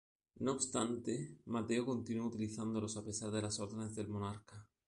No obstante, Mateo continuó utilizándolos a pesar de las órdenes del monarca.